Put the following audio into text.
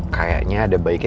kayaknya ada baiknya